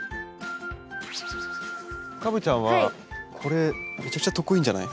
カブちゃんはこれめちゃくちゃ得意じゃない？